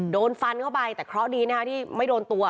โดนฟันเข้าไปแต่เคราะห์ดีนะคะที่ไม่โดนตัว